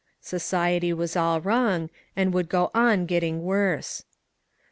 Society was all wrong, and would go on getting worse.